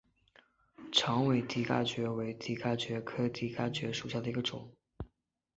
长尾蹄盖蕨为蹄盖蕨科蹄盖蕨属下的一个种。